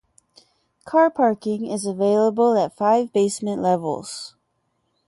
Car parking is available at five basement levels.